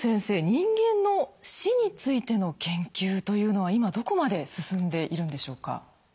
人間の死についての研究というのは今どこまで進んでいるんでしょうか？